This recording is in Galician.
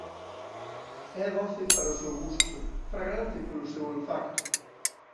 É doce para o seu gusto, fragrante polo seu olfacto.